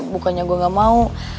bukannya gue gak mau